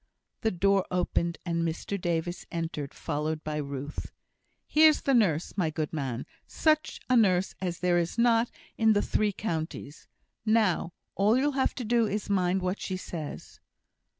The door opened, and Mr Davis entered, followed by Ruth. "Here's the nurse, my good man such a nurse as there is not in the three counties. Now, all you'll have to do is to mind what she says."